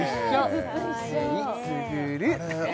「けいすぐる」